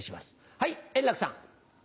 はい円楽さん。